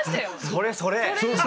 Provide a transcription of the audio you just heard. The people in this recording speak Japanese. それそれ！